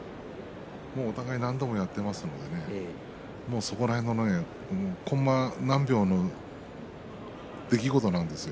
お互い何度も取っていますのでその辺りコンマ何秒の出来事なんですよ。